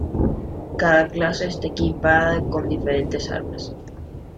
Cada clase está equipada con diferentes armas.